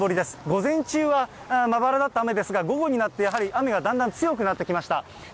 午前中はまばらだった雨ですが、午後になってやはり雨がだんだん強くなってきました。